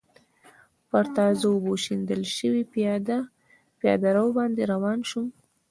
پر تازه اوبو شیندل شوي پېاده رو باندې روان شوم.